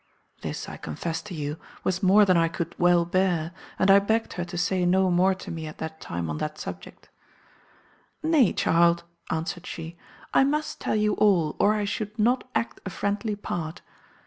This, I confess to you, was more than I could well bear, and I begged her to say no more to me at that time on that subject. 'Nay, child,' answered she, 'I must tell you all, or I should not act a friendly part.